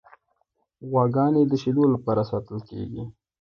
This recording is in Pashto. غواګانې د شیدو لپاره ساتل کیږي.